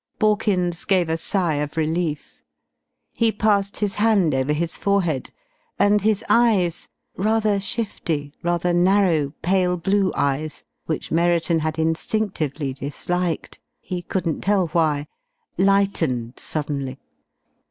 Borkins gave a sigh of relief. He passed his hand over his forehead, and his eyes rather shifty, rather narrow, pale blue eyes which Merriton had instinctively disliked (he couldn't tell why) lightened suddenly.